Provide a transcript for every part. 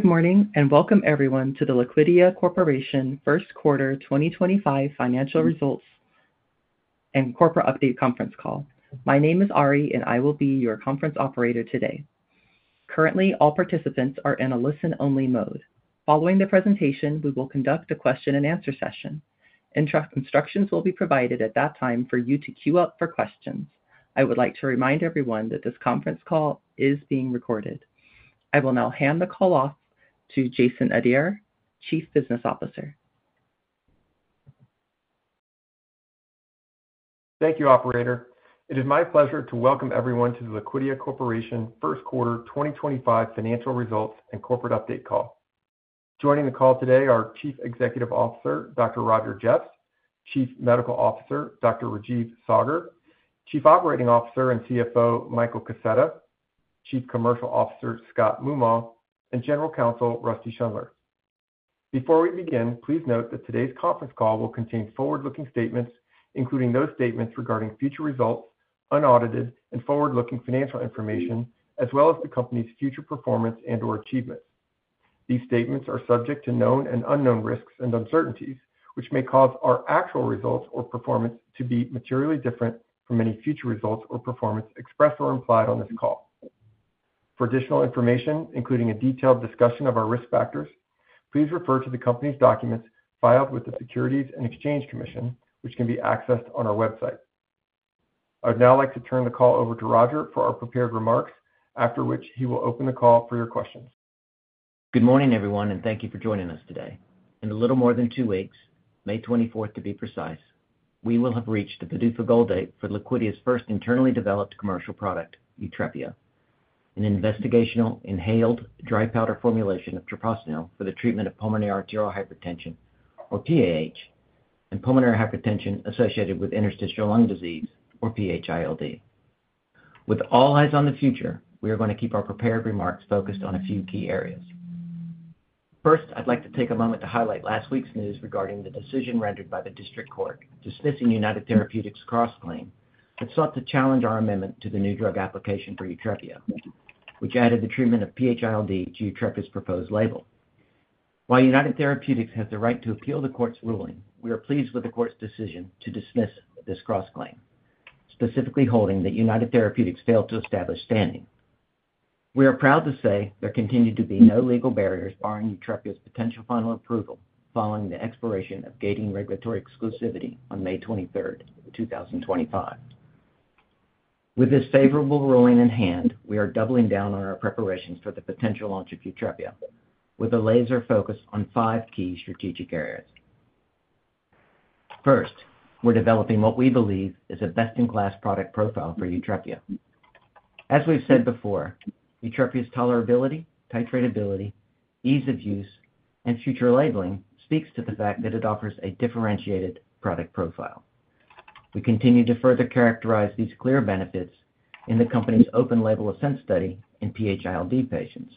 Good morning and welcome, everyone, to the Liquidia Corporation First Quarter 2025 Financial Results and Corporate Update Conference Call. My name is Ari, and I will be your conference operator today. Currently, all participants are in a listen-only mode. Following the presentation, we will conduct a question-and-answer session. Instructions will be provided at that time for you to queue up for questions. I would like to remind everyone that this conference call is being recorded. I will now hand the call off to Jason Adair, Chief Business Officer. Thank you, Operator. It is my pleasure to welcome everyone to the Liquidia Corporation First Quarter 2025 Financial Results and Corporate Update Call. Joining the call today are Chief Executive Officer Dr. Roger Jeffs, Chief Medical Officer Dr. Rajeev Saggar, Chief Operating Officer and CFO Michael Kaseta, Chief Commercial Officer Scott Moomaw, and General Counsel Rusty Schundler. Before we begin, please note that today's conference call will contain forward-looking statements, including those statements regarding future results, unaudited and forward-looking financial information, as well as the company's future performance and/or achievements. These statements are subject to known and unknown risks and uncertainties, which may cause our actual results or performance to be materially different from any future results or performance expressed or implied on this call. For additional information, including a detailed discussion of our risk factors, please refer to the company's documents filed with the Securities and Exchange Commission, which can be accessed on our website. I would now like to turn the call over to Roger for our prepared remarks, after which he will open the call for your questions. Good morning, everyone, and thank you for joining us today. In a little more than two weeks, May 24th to be precise, we will have reached the PDUFA goal date for Liquidia's first internally developed commercial product, YUTREPIA, an investigational inhaled dry powder formulation of Treprostinil for the treatment of pulmonary arterial hypertension, or PAH, and pulmonary hypertension associated with interstitial lung disease, or PH-ILD. With all eyes on the future, we are going to keep our prepared remarks focused on a few key areas. First, I'd like to take a moment to highlight last week's news regarding the decision rendered by the District Court dismissing United Therapeutics' cross-claim that sought to challenge our amendment to the new drug application for YUTREPIA, which added the treatment of PH-ILD to YUTREPIA's proposed label. While United Therapeutics has the right to appeal the court's ruling, we are pleased with the court's decision to dismiss this cross-claim, specifically holding that United Therapeutics failed to establish standing. We are proud to say there continue to be no legal barriers barring YUTREPIA's potential final approval following the expiration of gating regulatory exclusivity on May 23rd, 2025. With this favorable ruling in hand, we are doubling down on our preparations for the potential launch of YUTREPIA, with a laser focus on five key strategic areas. First, we're developing what we believe is a best-in-class product profile for YUTREPIA. As we've said before, YUTREPIA's tolerability, titrateability, ease of use, and future labeling speaks to the fact that it offers a differentiated product profile. We continue to further characterize these clear benefits in the company's open label Ascend study in PH-ILD patients.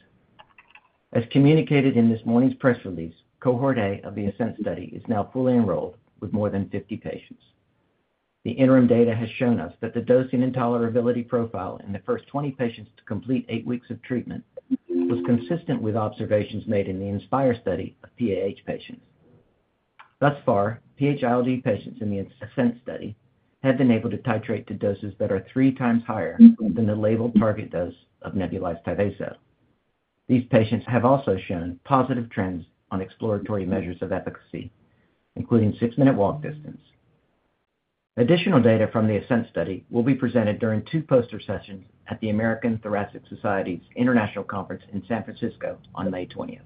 As communicated in this morning's press release, Cohort A of the Ascend study is now fully enrolled with more than 50 patients. The interim data has shown us that the dosing and tolerability profile in the first 20 patients to complete eight weeks of treatment was consistent with observations made in the Inspire study of PAH patients. Thus far, PH-ILD patients in the Ascend study have been able to titrate to doses that are three times higher than the labeled target dose of nebulized Tyvaso. These patients have also shown positive trends on exploratory measures of efficacy, including Six-minute walk distance. Additional data from the Ascend study will be presented during two poster sessions at the American Thoracic Society International Conference in San Francisco on May 20th.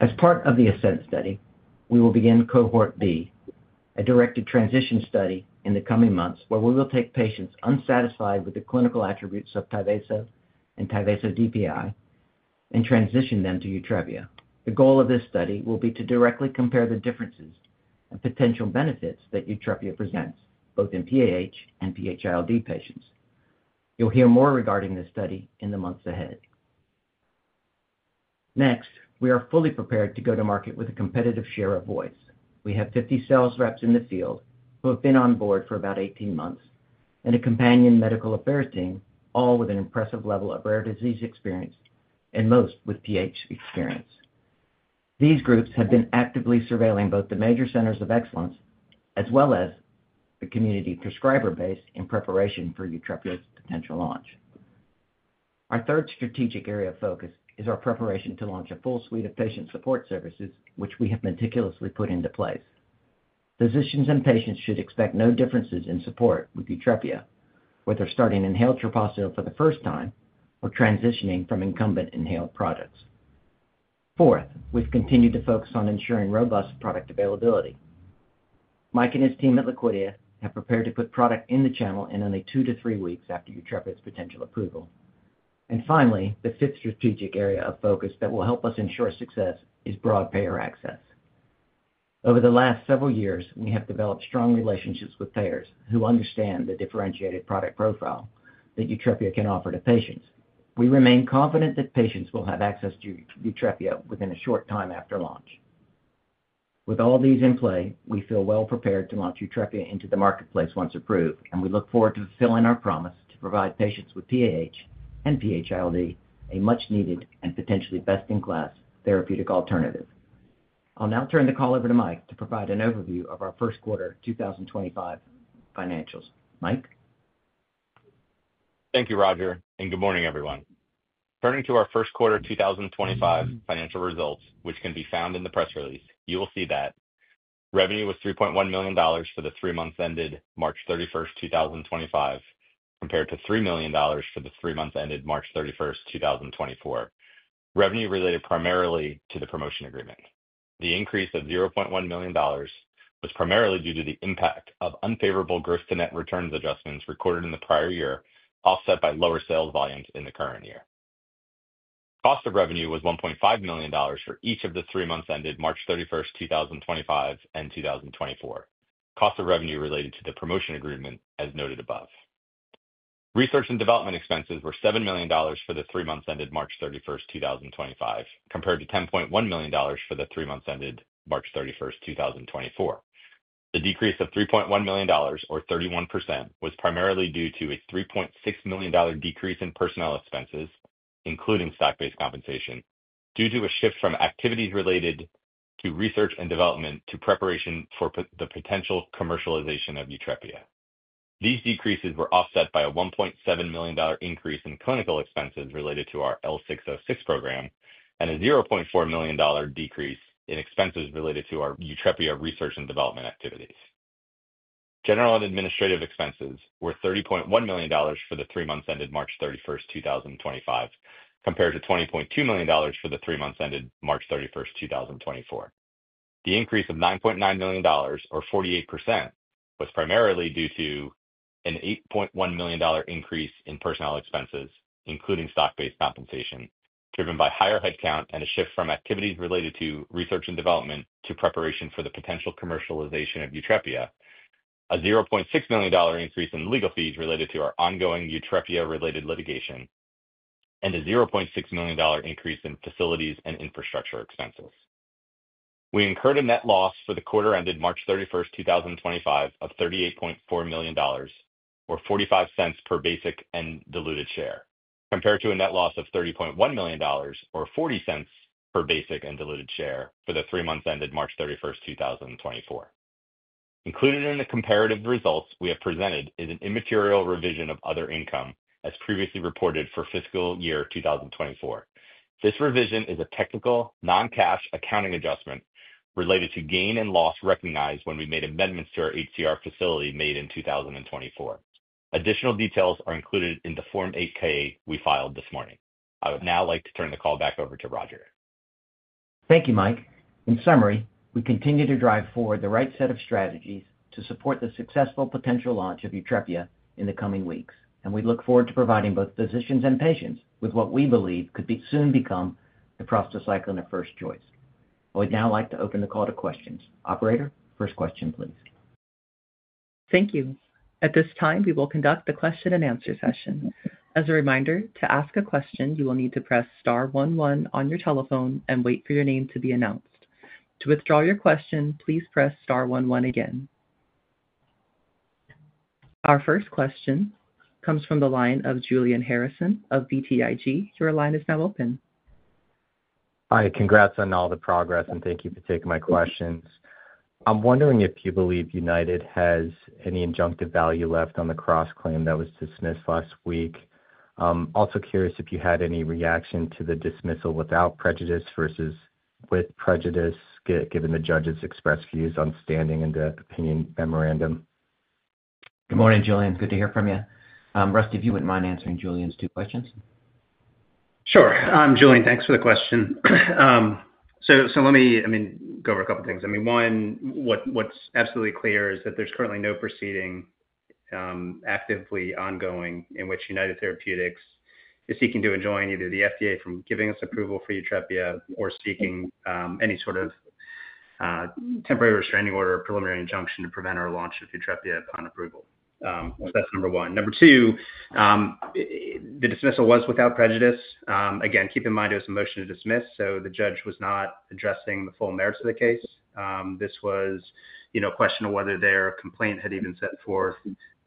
As part of the Ascend study, we will begin Cohort B, a directed transition study in the coming months where we will take patients unsatisfied with the clinical attributes of Tyvaso and Tyvaso DPI and transition them to YUTREPIA. The goal of this study will be to directly compare the differences and potential benefits that YUTREPIA presents, both in PAH and PH-ILD patients. You'll hear more regarding this study in the months ahead. Next, we are fully prepared to go to market with a competitive share of voice. We have 50 sales reps in the field who have been on board for about 18 months and a companion medical affairs team, all with an impressive level of rare disease experience and most with PH experience. These groups have been actively surveilling both the major centers of excellence as well as the community prescriber base in preparation for YUTREPIA's potential launch. Our third strategic area of focus is our preparation to launch a full suite of patient support services, which we have meticulously put into place. Physicians and patients should expect no differences in support with YUTREPIA, whether starting inhaled Treprostinil for the first time or transitioning from incumbent inhaled products. Fourth, we have continued to focus on ensuring robust product availability. Mike and his team at Liquidia have prepared to put product in the channel in only two to three weeks after YUTREPIA's potential approval. Finally, the fifth strategic area of focus that will help us ensure success is broad payer access. Over the last several years, we have developed strong relationships with payers who understand the differentiated product profile that YUTREPIA can offer to patients. We remain confident that patients will have access to YUTREPIA within a short time after launch. With all these in play, we feel well prepared to launch YUTREPIA into the marketplace once approved, and we look forward to fulfilling our promise to provide patients with PAH and PH-ILD a much-needed and potentially best-in-class therapeutic alternative. I'll now turn the call over to Mike to provide an overview of our first quarter 2025 financials. Mike. Thank you, Roger, and good morning, everyone. Turning to our first quarter 2025 financial results, which can be found in the press release, you will see that revenue was $3.1 million for the three months ended March 31, 2025, compared to $3 million for the three months ended March 31, 2024, revenue related primarily to the promotion agreement. The increase of $0.1 million was primarily due to the impact of unfavorable gross-to-net returns adjustments recorded in the prior year, offset by lower sales volumes in the current year. Cost of revenue was $1.5 million for each of the three months ended March 31st, 2025, and 2024, cost of revenue related to the promotion agreement as noted above. Research and development expenses were $7 million for the three months ended March 31st, 2025, compared to $10.1 million for the three months ended March 31st, 2024. The decrease of $3.1 million, or 31%, was primarily due to a $3.6 million decrease in personnel expenses, including staff-based compensation, due to a shift from activities related to research and development to preparation for the potential commercialization of YUTREPIA. These decreases were offset by a $1.7 million increase in clinical expenses related to our L606 program and a $0.4 million decrease in expenses related to our YUTREPIA research and development activities. General and administrative expenses were $30.1 million for the three months ended March 31st, 2025, compared to $20.2 million for the three months ended March 31st, 2024. The increase of $9.9 million, or 48%, was primarily due to an $8.1 million increase in personnel expenses, including stock-based compensation, driven by higher headcount and a shift from activities related to research and development to preparation for the potential commercialization of YUTREPIA, a $0.6 million increase in legal fees related to our ongoing YUTREPIA-related litigation, and a $0.6 million increase in facilities and infrastructure expenses. We incurred a net loss for the quarter ended March 31, 2025, of $38.4 million, or $0.45 per basic and diluted share, compared to a net loss of $30.1 million, or $0.40 per basic and diluted share for the three months ended March 31, 2024. Included in the comparative results we have presented is an immaterial revision of other income, as previously reported for fiscal year 2024. This revision is a technical non-cash accounting adjustment related to gain and loss recognized when we made amendments to our HCRx facility made in 2024. Additional details are included in the Form 8K we filed this morning. I would now like to turn the call back over to Roger. Thank you, Mike. In summary, we continue to drive forward the right set of strategies to support the successful potential launch of YUTREPIA in the coming weeks, and we look forward to providing both physicians and patients with what we believe could soon become the prostacyclin of first choice. I would now like to open the call to questions. Operator, first question, please. Thank you. At this time, we will conduct the question-and-answer session. As a reminder, to ask a question, you will need to press star one, one on your telephone and wait for your name to be announced. To withdraw your question, please press star one, one again. Our first question comes from the line of Julian Harrison of BTIG. Your line is now open. Hi, congrats on all the progress, and thank you for taking my questions. I'm wondering if you believe United has any injunctive value left on the cross-claim that was dismissed last week. Also curious if you had any reaction to the dismissal without prejudice versus with prejudice, given the judge's express views on standing and the opinion memorandum. Good morning, Julian. Good to hear from you. Rusty, if you wouldn't mind answering Julian's two questions. Sure. Julian, thanks for the question. Let me, I mean, go over a couple of things. One, what's absolutely clear is that there's currently no proceeding actively ongoing in which United Therapeutics is seeking to enjoin either the FDA from giving us approval for YUTREPIA or seeking any sort of temporary restraining order or preliminary injunction to prevent our launch of YUTREPIA upon approval. That's number one. Number two, the dismissal was without prejudice. Again, keep in mind it was a motion to dismiss, so the judge was not addressing the full merits of the case. This was a question of whether their complaint had even set forth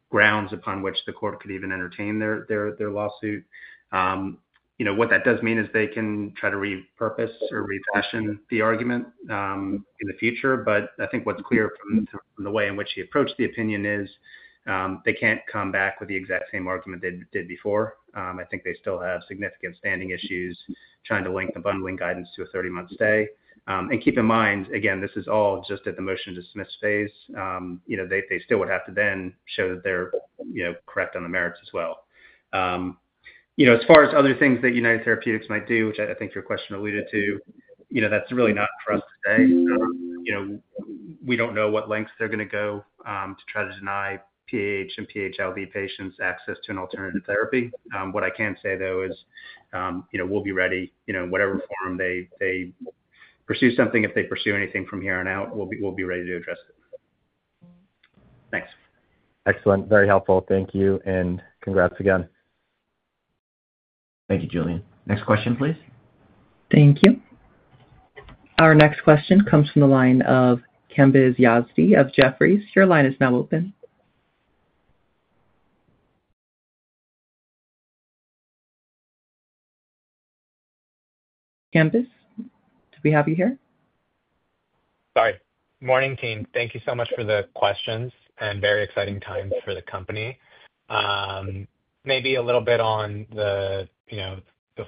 grounds upon which the court could even entertain their lawsuit. What that does mean is they can try to repurpose or refashion the argument in the future, but I think what's clear from the way in which he approached the opinion is they can't come back with the exact same argument they did before. I think they still have significant standing issues trying to link the bundling guidance to a 30-month stay. Keep in mind, again, this is all just at the motion to dismiss phase. They still would have to then show that they're correct on the merits as well. As far as other things that United Therapeutics might do, which I think your question alluded to, that's really not for us today. We don't know what lengths they're going to go to try to deny PAH and PH-ILD patients access to an alternative therapy. What I can say, though, is we'll be ready in whatever form they pursue something. If they pursue anything from here on out, we'll be ready to address it. Thanks. Excellent. Very helpful. Thank you, and congrats again. Thank you, Julian. Next question, please. Thank you. Our next question comes from the line of Kambez Yazdi of Jefferies. Your line is now open. Kambez, do we have you here? Sorry. Morning, team. Thank you so much for the questions and very exciting times for the company. Maybe a little bit on the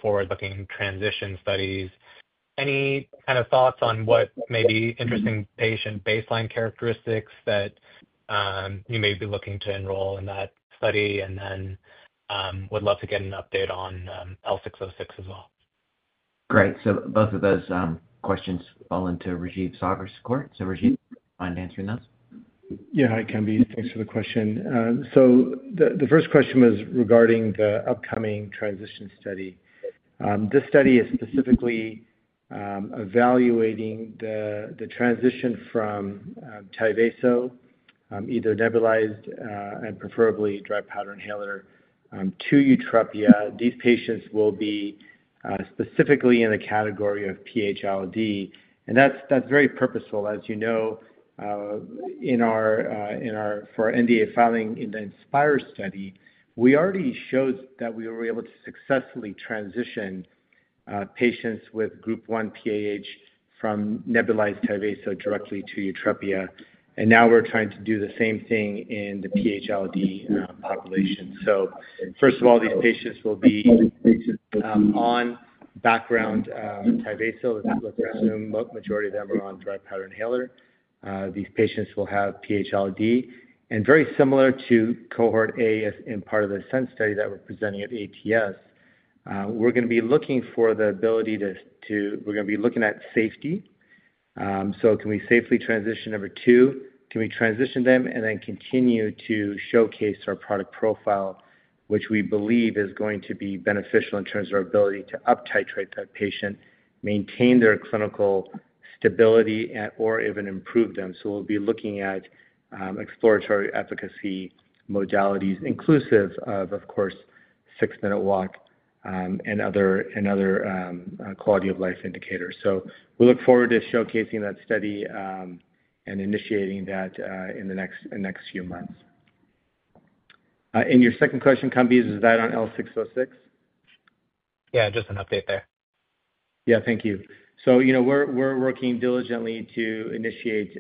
forward-looking transition studies. Any kind of thoughts on what may be interesting patient baseline characteristics that you may be looking to enroll in that study and then would love to get an update on L606 as well? Great. Both of those questions fall into Rajeev Saggar's court. Rajeev, do you mind answering those? Yeah, hi Kambez. Thanks for the question. The first question was regarding the upcoming transition study. This study is specifically evaluating the transition from Tyvaso, either nebulized and preferably dry powder inhaler, to YUTREPIA. These patients will be specifically in the category of PH-ILD. That is very purposeful. As you know, for our NDA filing in the Inspire study, we already showed that we were able to successfully transition patients with group 1 PAH from nebulized Tyvaso directly to YUTREPIA. Now we are trying to do the same thing in the PH-ILD population. First of all, these patients will be on background Tyvaso. Let's assume the majority of them are on dry powder inhaler. These patients will have PH-ILD. Very similar to Cohort A in part of the Ascend study that we are presenting at ATS, we are going to be looking for the ability to—we are going to be looking at safety. Can we safely transition? Number two, can we transition them and then continue to showcase our product profile, which we believe is going to be beneficial in terms of our ability to up-titrate that patient, maintain their clinical stability, or even improve them? We will be looking at exploratory efficacy modalities, inclusive of, of course, Six-minute walk and other quality-of-life indicators. We look forward to showcasing that study and initiating that in the next few months. In your second question, Kambez, is that on L606? Yeah, just an update there. Yeah, thank you. We're working diligently to initiate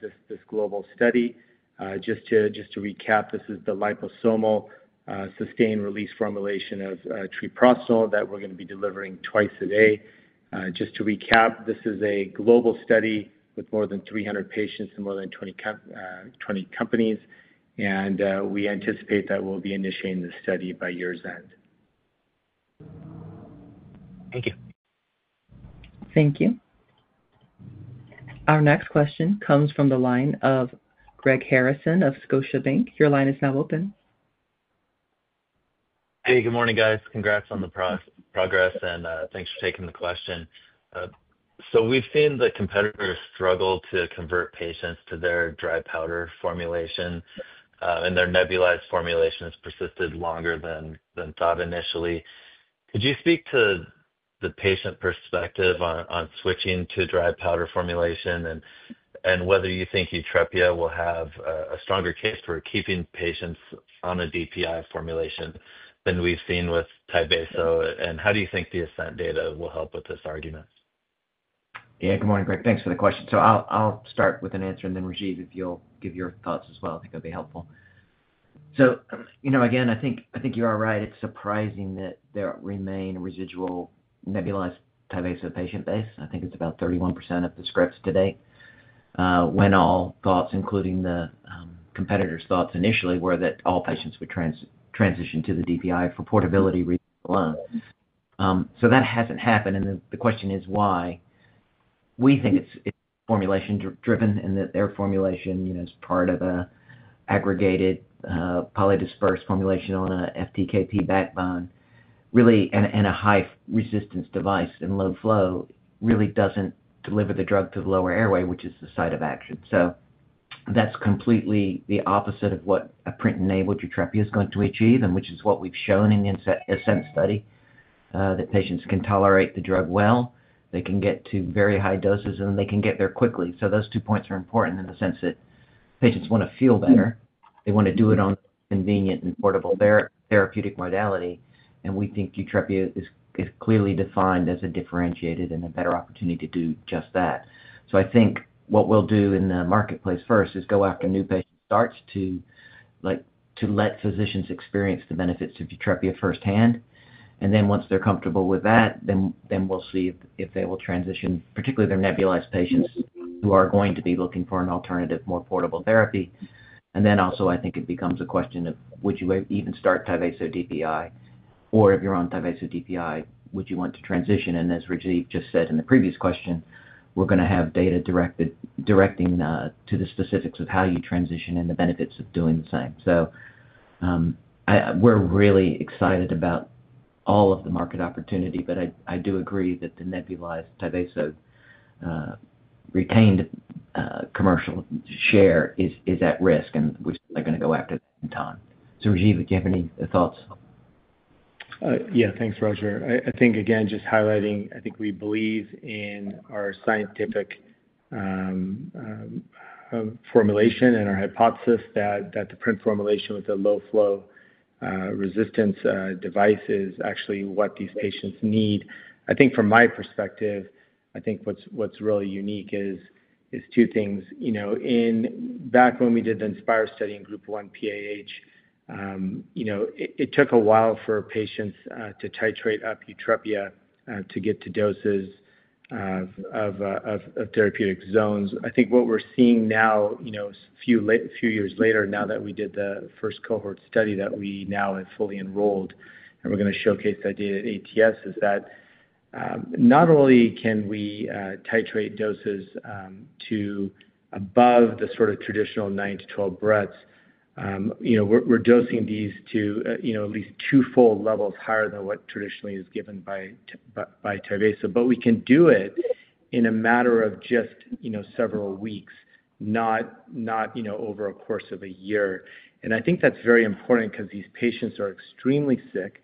this global study. Just to recap, this is the liposomal sustained-release formulation of Treprostinil that we're going to be delivering twice a day. Just to recap, this is a global study with more than 300 patients and more than 20 companies. We anticipate that we'll be initiating this study by year's end. Thank you. Thank you. Our next question comes from the line of Greg Harrison of Scotiabank. Your line is now open. Hey, good morning, guys. Congrats on the progress, and thanks for taking the question. We have seen the competitors struggle to convert patients to their dry powder formulation, and their nebulized formulation has persisted longer than thought initially. Could you speak to the patient perspective on switching to dry powder formulation and whether you think YUTREPIA will have a stronger case for keeping patients on a DPI formulation than we have seen with Tyvaso? How do you think the Ascend data will help with this argument? Yeah, good morning, Greg. Thanks for the question. I'll start with an answer, and then Rajeev, if you'll give your thoughts as well, I think that'd be helpful. I think you are right. It's surprising that there remain residual nebulized Tyvaso patient base. I think it's about 31% of the scripts today. When all thoughts, including the competitors' thoughts initially, were that all patients would transition to the DPI for portability reason alone. That hasn't happened, and the question is why. We think it's formulation-driven in that their formulation is part of an aggregated polydispersed formulation on an FTKP backbone. Really, in a high-resistance device and low flow, it really doesn't deliver the drug to the lower airway, which is the site of action. That's completely the opposite of what a print-enabled YUTREPIA is going to achieve, and which is what we've shown in the Ascend study, that patients can tolerate the drug well, they can get to very high doses, and they can get there quickly. Those two points are important in the sense that patients want to feel better. They want to do it on a convenient and portable therapeutic modality. We think YUTREPIA is clearly defined as a differentiated and a better opportunity to do just that. I think what we'll do in the marketplace first is go after new patient starts to let physicians experience the benefits of YUTREPIA firsthand. Once they're comfortable with that, then we'll see if they will transition, particularly their nebulized patients who are going to be looking for an alternative, more portable therapy. I think it becomes a question of, would you even start Tyvaso DPI? Or if you're on Tyvaso DPI, would you want to transition? As Rajeev just said in the previous question, we're going to have data directing to the specifics of how you transition and the benefits of doing the same. We're really excited about all of the market opportunity, but I do agree that the nebulized Tyvaso retained commercial share is at risk, and we're certainly going to go after that in time. Rajeev, do you have any thoughts? Yeah, thanks, Roger. I think, again, just highlighting, I think we believe in our scientific formulation and our hypothesis that the PRINT formulation with the low-flow resistance device is actually what these patients need. I think from my perspective, I think what's really unique is two things. Back when we did the Inspire study in group 1 PAH, it took a while for patients to titrate up YUTREPIA to get to doses of therapeutic zones. I think what we're seeing now, a few years later, now that we did the first cohort study that we now have fully enrolled and we're going to showcase that data at ATS, is that not only can we titrate doses to above the sort of traditional 9-12 breaths, we're dosing these to at least two full levels higher than what traditionally is given by Tyvaso.We can do it in a matter of just several weeks, not over a course of a year. I think that's very important because these patients are extremely sick.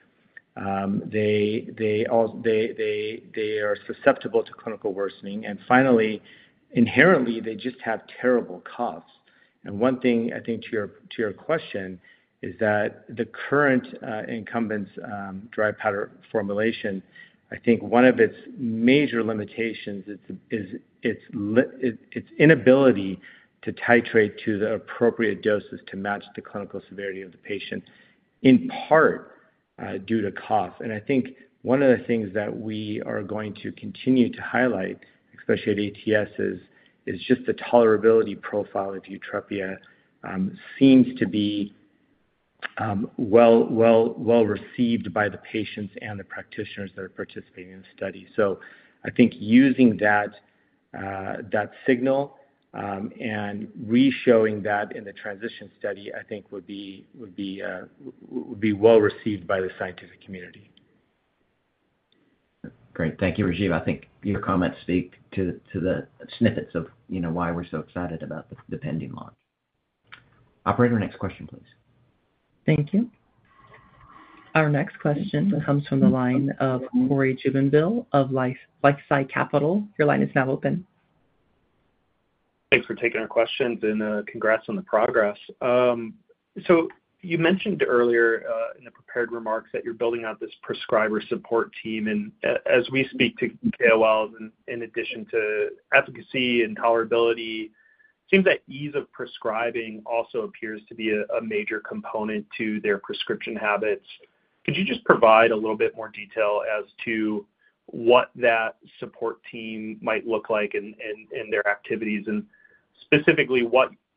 They are susceptible to clinical worsening. Finally, inherently, they just have terrible coughs. One thing, I think, to your question is that the current incumbent's dry powder formulation, I think one of its major limitations is its inability to titrate to the appropriate doses to match the clinical severity of the patient, in part due to cough. I think one of the things that we are going to continue to highlight, especially at ATS, is just the tolerability profile of YUTREPIA seems to be well-received by the patients and the practitioners that are participating in the study. I think using that signal and re-showing that in the transition study, I think, would be well-received by the scientific community. Great. Thank you, Rajeev. I think your comments speak to the snippets of why we're so excited about the pending launch. Operator, next question, please. Thank you. Our next question comes from the line of Cory Jubinville of LifeSci Capital. Your line is now open. Thanks for taking our questions and congrats on the progress. You mentioned earlier in the prepared remarks that you're building out this prescriber support team. As we speak to KOLs, in addition to efficacy and tolerability, it seems that ease of prescribing also appears to be a major component to their prescription habits. Could you just provide a little bit more detail as to what that support team might look like and their activities? Specifically,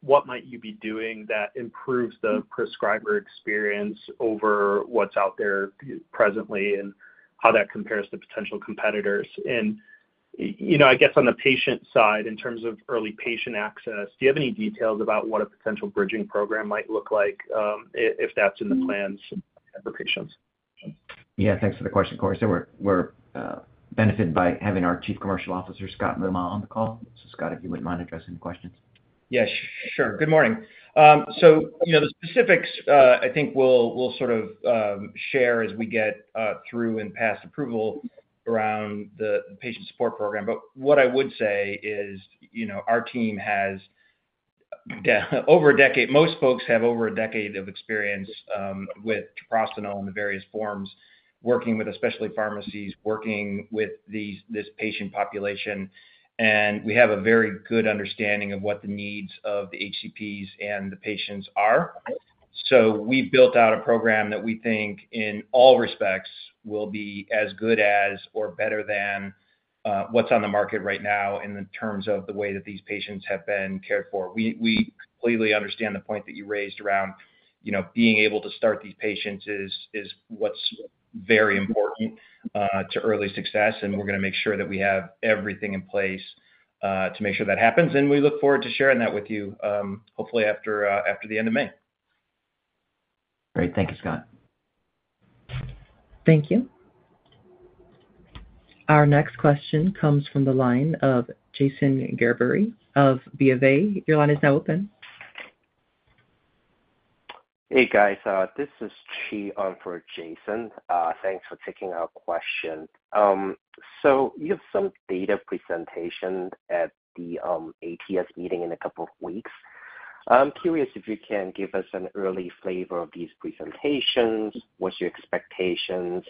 what might you be doing that improves the prescriber experience over what's out there presently and how that compares to potential competitors? I guess on the patient side, in terms of early patient access, do you have any details about what a potential bridging program might look like if that's in the plans for patients? Yeah, thanks for the question, Cory. We're benefiting by having our Chief Commercial Officer, Scott Moomaw, on the call. Scott, if you wouldn't mind addressing the questions. Yeah, sure. Good morning. The specifics, I think, we'll sort of share as we get through and pass approval around the patient support program. What I would say is our team has over a decade—most folks have over a decade of experience with Treprostinil and the various forms, working with specialty pharmacies, working with this patient population. We have a very good understanding of what the needs of the HCPs and the patients are. We have built out a program that we think, in all respects, will be as good as or better than what's on the market right now in terms of the way that these patients have been cared for. We completely understand the point that you raised around being able to start these patients is what's very important to early success. We are going to make sure that we have everything in place to make sure that happens. We look forward to sharing that with you, hopefully after the end of May. Great. Thank you, Scott. Thank you. Our next question comes from the line of Jason Gerbery of BofA. Your line is now open. Hey, guys. This is Chi on for Jason. Thanks for taking our question. You have some data presentation at the ATS meeting in a couple of weeks. I'm curious if you can give us an early flavor of these presentations, what's your expectations,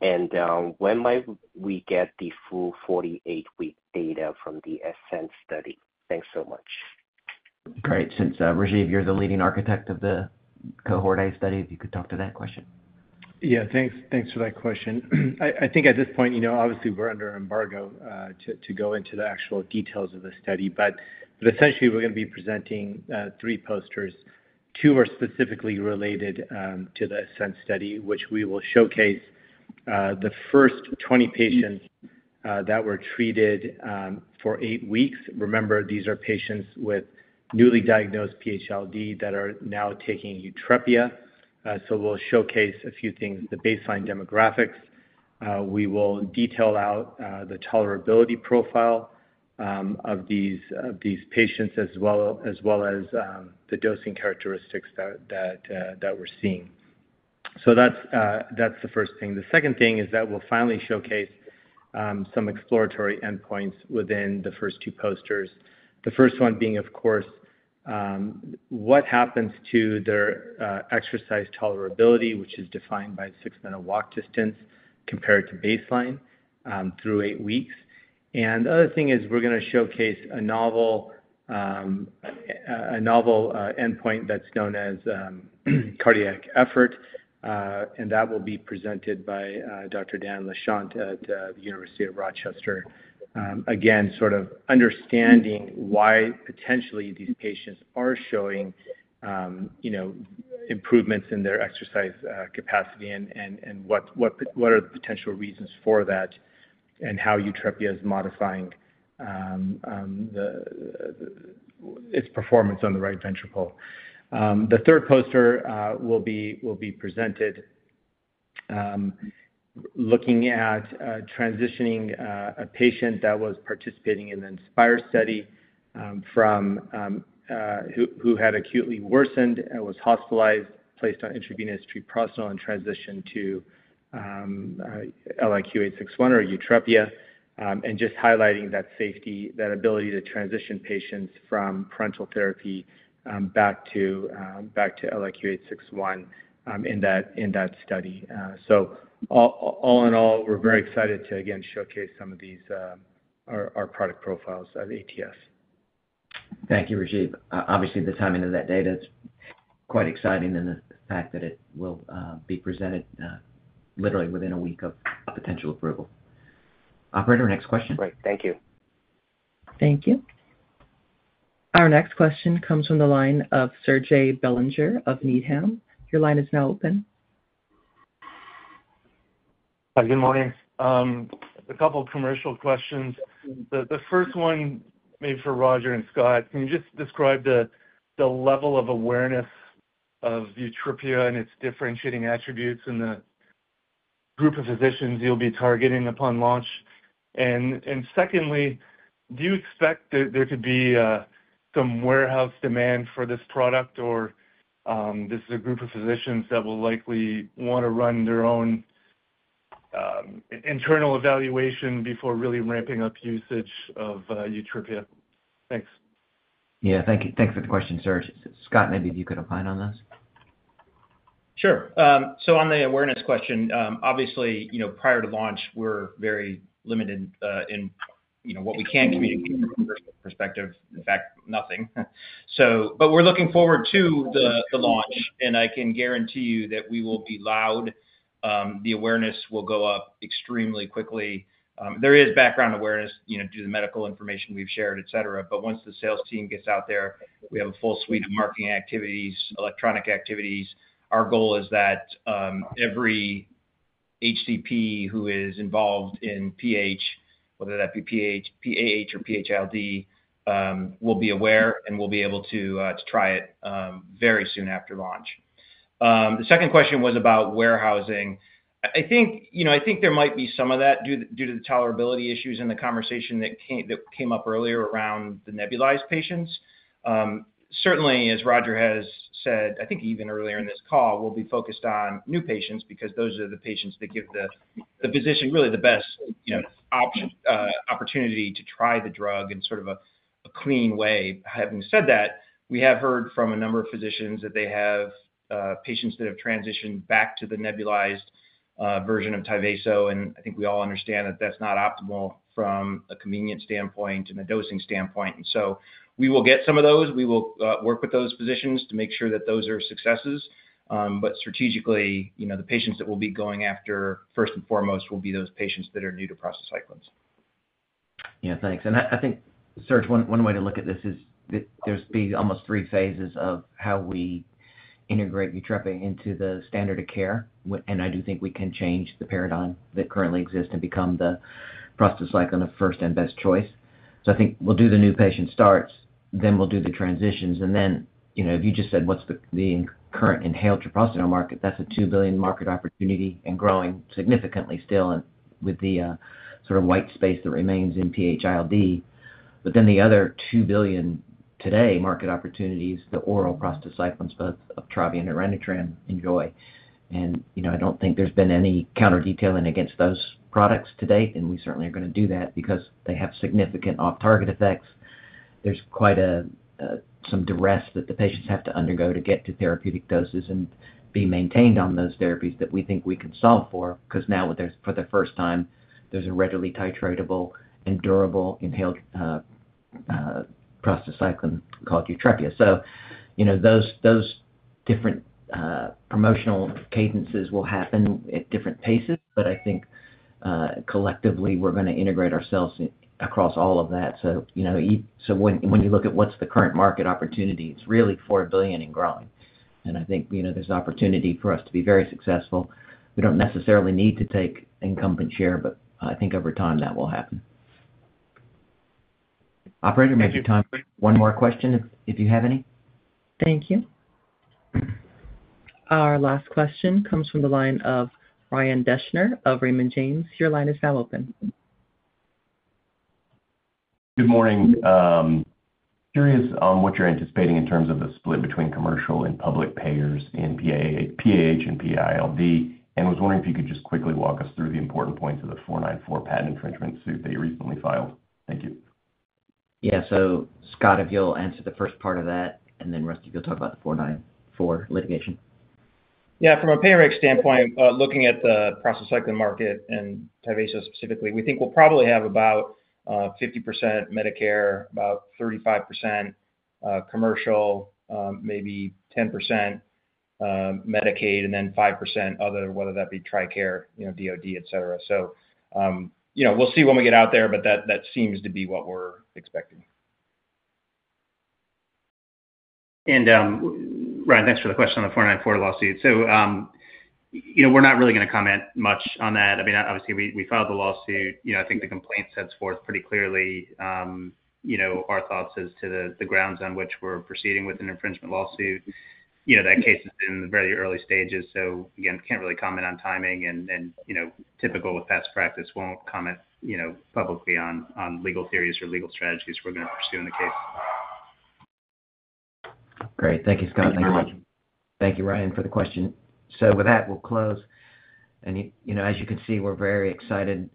and when might we get the full 48-week data from the Ascend study? Thanks so much. Great. Since Rajeev, you're the leading architect of the Cohort A study, if you could talk to that question. Yeah, thanks for that question. I think at this point, obviously, we're under embargo to go into the actual details of the study. Essentially, we're going to be presenting three posters. Two are specifically related to the Ascend study, which will showcase the first 20 patients that were treated for eight weeks. Remember, these are patients with newly diagnosed PH-ILD that are now taking YUTREPIA. We'll showcase a few things, the baseline demographics. We will detail out the tolerability profile of these patients as well as the dosing characteristics that we're seeing. That's the first thing. The second thing is that we'll finally showcase some exploratory endpoints within the first two posters. The first one being, of course, what happens to their exercise tolerability, which is defined by the Six-minute walk distance compared to baseline through eight weeks. The other thing is we're going to showcase a novel endpoint that's known as cardiac effort. That will be presented by Dr. Dan Lachant at the University of Rochester. Again, sort of understanding why potentially these patients are showing improvements in their exercise capacity and what are the potential reasons for that and how YUTREPIA is modifying its performance on the right ventricle. The third poster will be presented looking at transitioning a patient that was participating in the Inspire study who had acutely worsened and was hospitalized, placed on intravenous Treprostinil, and transitioned to LIQ861 or YUTREPIA, and just highlighting that safety, that ability to transition patients from parenteral therapy back to LIQ861 in that study. All in all, we're very excited to, again, showcase some of these, our product profiles at ATS. Thank you, Rajeev. Obviously, the timing of that data is quite exciting and the fact that it will be presented literally within a week of potential approval. Operator, next question. Great. Thank you. Thank you. Our next question comes from the line of Serge Belanger of Needham. Your line is now open. Hi, good morning. A couple of commercial questions. The first one maybe for Roger and Scott. Can you just describe the level of awareness of YUTREPIA and its differentiating attributes in the group of physicians you'll be targeting upon launch? Secondly, do you expect that there could be some warehouse demand for this product, or is this a group of physicians that will likely want to run their own internal evaluation before really ramping up usage of YUTREPIA? Thanks. Yeah, thanks for the question, Serge. Scott, maybe if you could opine on this. Sure. On the awareness question, obviously, prior to launch, we're very limited in what we can communicate from a commercial perspective. In fact, nothing. We are looking forward to the launch. I can guarantee you that we will be loud. The awareness will go up extremely quickly. There is background awareness due to the medical information we've shared, etc. Once the sales team gets out there, we have a full suite of marketing activities, electronic activities. Our goal is that every HCP who is involved in PH, whether that be PAH or PH-ILD, will be aware and will be able to try it very soon after launch. The second question was about warehousing. I think there might be some of that due to the tolerability issues in the conversation that came up earlier around the nebulized patients. Certainly, as Roger has said, I think even earlier in this call, we'll be focused on new patients because those are the patients that give the physician really the best opportunity to try the drug in sort of a clean way. Having said that, we have heard from a number of physicians that they have patients that have transitioned back to the nebulized version of Tyvaso. I think we all understand that that's not optimal from a convenience standpoint and a dosing standpoint. We will get some of those. We will work with those physicians to make sure that those are successes. Strategically, the patients that we will be going after, first and foremost, will be those patients that are new to prostacyclines. Yeah, thanks. I think, Serge, one way to look at this is there's been almost three phases of how we integrate YUTREPIA into the standard of care. I do think we can change the paradigm that currently exists and become the prostacyclin of first and best choice. I think we'll do the new patient starts, then we'll do the transitions. If you just said what's the current inhaled Treprostinil market, that's a $2 billion market opportunity and growing significantly still with the sort of white space that remains in PH-ILD. The other $2 billion today market opportunity is the oral prostacyclins, both of Tyvaso and Orenitram, enjoy. I don't think there's been any counter-detailing against those products to date. We certainly are going to do that because they have significant off-target effects. There's quite some duress that the patients have to undergo to get to therapeutic doses and be maintained on those therapies that we think we can solve for because now, for the first time, there's a readily titratable and durable inhaled prostacyclin called YUTREPIA. Those different promotional cadences will happen at different paces. I think collectively, we're going to integrate ourselves across all of that. When you look at what's the current market opportunity, it's really $4 billion and growing. I think there's opportunity for us to be very successful. We don't necessarily need to take incumbent share, but I think over time, that will happen. Operator, maybe one more question if you have any. Thank you. Our last question comes from the line of Ryan Deschner of Raymond James. Your line is now open. Good morning. Curious on what you're anticipating in terms of the split between commercial and public payers in PAH and PH-ILD. Was wondering if you could just quickly walk us through the important points of the 494 patent infringement suit that you recently filed. Thank you. Yeah. Scott, if you'll answer the first part of that, and then Rusty, you'll talk about the 494 litigation. Yeah. From a payer standpoint, looking at the prostacyclin market and Tyvaso specifically, we think we'll probably have about 50% Medicare, about 35% commercial, maybe 10% Medicaid, and then 5% other, whether that be Tricare, DOD, etc. We will see when we get out there, but that seems to be what we're expecting. Ryan, thanks for the question on the 494 lawsuit. We are not really going to comment much on that. I mean, obviously, we filed the lawsuit. I think the complaint sets forth pretty clearly our thoughts as to the grounds on which we are proceeding with an infringement lawsuit. That case is in the very early stages. We cannot really comment on timing and, typical with best practice, will not comment publicly on legal theories or legal strategies we are going to pursue in the case. Great. Thank you, Scott. Thank you. Thank you, Ryan, for the question. With that, we will close. As you can see, we are very excited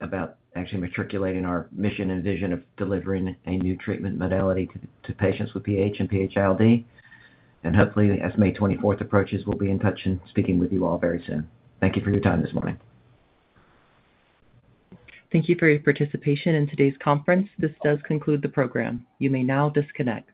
about actually matriculating our mission and vision of delivering a new treatment modality to patients with PH and PH-ILD. Hopefully, as May 24th approaches, we will be in touch and speaking with you all very soon. Thank you for your time this morning. Thank you for your participation in today's conference. This does conclude the program. You may now disconnect.